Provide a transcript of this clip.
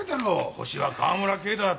ホシは川村啓太だって。